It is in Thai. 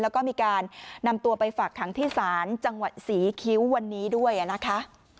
แล้วก็มีการนำตัวไปฝากขังที่ศาลจังหวัดศรีคิ้ววันนี้ด้วยนะคะ